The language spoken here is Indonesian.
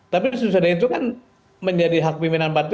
tapi sesudah itu kan menjadi hak pimpinan partai